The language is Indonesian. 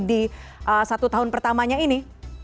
di satu tahun pertamanya ini